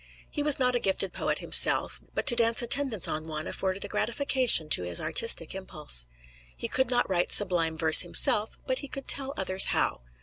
He was not a gifted poet himself, but to dance attendance on one afforded a gratification to his artistic impulse. He could not write sublime verse himself, but he could tell others how.